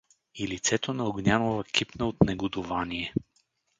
— И лицето на Огнянова кипна от негодувание.